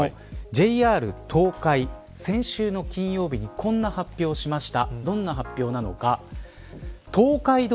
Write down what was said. ＪＲ東海が先週金曜日にこんな発表をしました。